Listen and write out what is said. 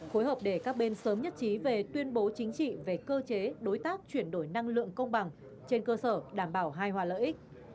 phối hợp để các bên sớm nhất trí về tuyên bố chính trị về cơ chế đối tác chuyển đổi năng lượng công bằng trên cơ sở đảm bảo hai hòa lợi ích